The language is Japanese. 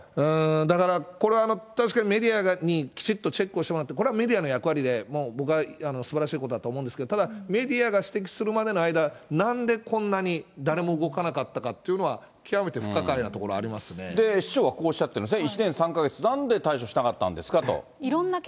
だからこれ、確かにメディアにきちっとチェックをしてもらって、これはメディアの役割で、僕はもうすばらしいことだと思うんですけれども、ただ、メディアが指摘するまでの間、なんでこんなに誰も動かなかったのかというのは、極めて不可解な市長はこうおっしゃってるんですね。